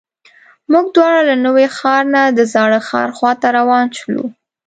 موږ دواړه له نوي ښار نه د زاړه ښار خواته روان شولو.